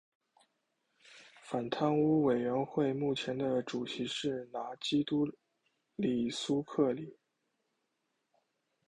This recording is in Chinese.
反贪污委员会目前的主席是拿督斯里苏克里。